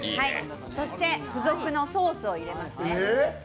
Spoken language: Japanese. そして、付属のソースを入れますね。